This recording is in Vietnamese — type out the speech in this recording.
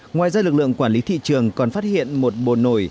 ngoài ra lực lượng quản lý thị trường còn phát hiện một bồn nổi